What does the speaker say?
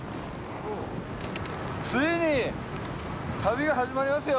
ついに旅が始まりますよ！